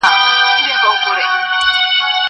زه به سبا مځکي ته ګورم وم!!